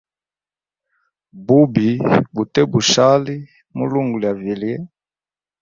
Bubi bute bushali mulungu lya vilye.